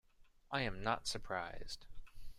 I am not surprised.